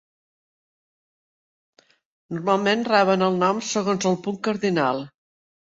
Normalment reben el nom segons el punt cardinal.